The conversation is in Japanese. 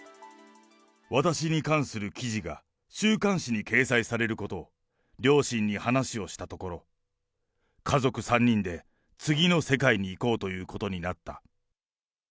私に関する記事が週刊誌に掲載されることを両親に話をしたところ、家族３人で次の世界に行こうということになった。